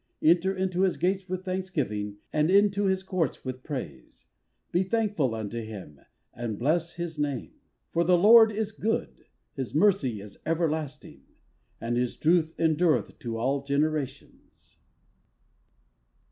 Enter into his gates with thanksgiving And into his courts with praise, Be thankful unto him, and bless his name. For the Lord is good; his mercy is everlasting: And his truth endureth to all generations.